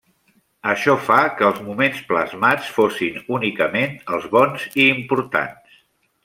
Això fa que els moments plasmats fossin únicament els bons i importants.